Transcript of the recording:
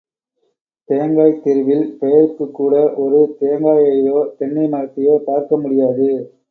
தேங்காய்த் தெருவில் பெயருக்குக் கூட ஒரு தேங்காயையோ தென்னை மரத்தையோ பார்க்க முடியாது.